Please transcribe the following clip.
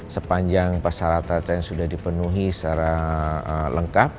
sepanjang persyaratan yang sudah dipenuhi secara lengkap